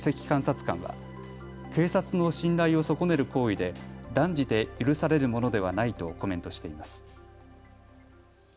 監察官は警察の信頼を損ねる行為で断じて許されるものではないとコメントしています。